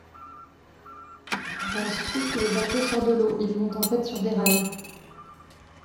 Ensuite le bateau sort de l'eau, il monte en fait sur des rails.